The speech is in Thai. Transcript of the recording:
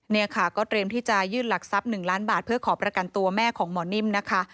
นี่ค่ะก็เตรียมที่จะยื่นหลักทรัพย์๑ล้านบาทเพื่อขอประกันตัวแม่ของหมอนิ่มนะคะ